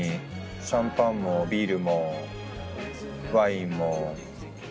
シャンパンもビールもワインも。